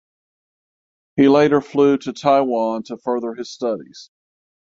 He later flew to Taiwan to further his studies.